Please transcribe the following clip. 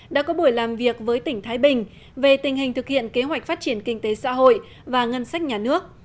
đã có buổi làm việc với tỉnh thái bình về tình hình thực hiện kế hoạch phát triển kinh tế xã hội và ngân sách nhà nước